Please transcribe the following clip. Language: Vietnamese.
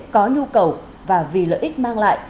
có nhu cầu và vì lợi ích mang lại